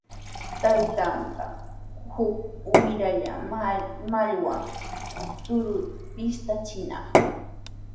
Taytan uk wiralla mallwa tuuruta pishtachinaq.